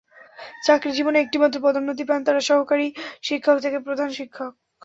চাকরিজীবনে একটি মাত্র পদোন্নতি পান তাঁরা, সহকারী শিক্ষক থেকে প্রধান শিক্ষক।